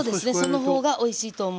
そのほうがおいしいと思う。